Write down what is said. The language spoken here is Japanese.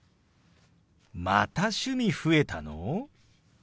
また趣味増えたの！？